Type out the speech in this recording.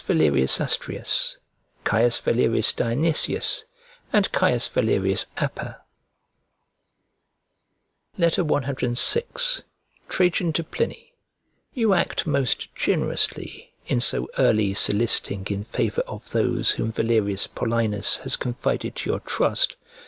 Valerius Astraeus, C. Valerius Dionysius, and C. Valerius Aper. CVI TRAJAN TO PLINY YOU act most generously in so early soliciting in favour of those whom Valerius Paulinus has confided to your trust.